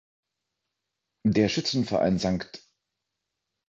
Der Schützenverein „St.